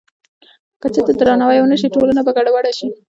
که چېرې درناوی ونه شي، ټولنه به ګډوډه شي.